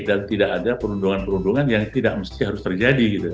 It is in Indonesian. dan tidak ada perundungan perundungan yang tidak mesti harus terjadi